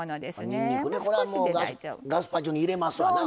これはもうガスパチョに入れますわな。